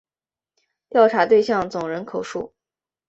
调查对象总人口数